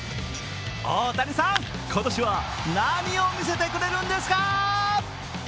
大谷さん、今年は何を見せてくれるんですか。